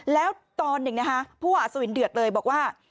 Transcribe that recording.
แล้วตอนหนึ่งนะคะผู้ว่าอัศวินเดือดเลยบอกว่า